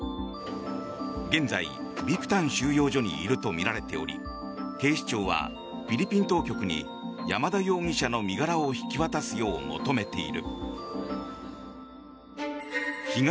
現在、ビクタン収容所にいるとみられており警視庁はフィリピン当局に山田容疑者の身柄を引き渡すよう求めている。